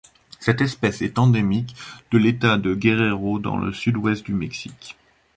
Cette espèce est endémique de l'État de Guerrero dans le sud-ouest du Mexique.